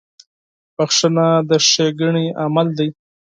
• بخښنه د ښېګڼې عمل دی.